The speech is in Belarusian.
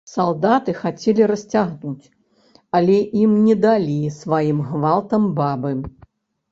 Салдаты хацелі расцягнуць, але ім не далі сваім гвалтам бабы.